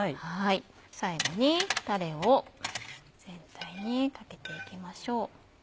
最後にタレを全体にかけていきましょう。